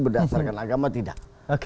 berdasarkan agama tidak